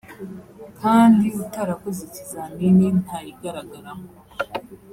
kandi utarakoze ikizamini ntayigaragaramo